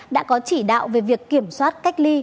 đã có chỉ đạo về việc kiểm soát cách ly